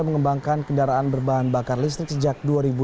mengembangkan kendaraan berbahan bakar listrik sejak dua ribu enam belas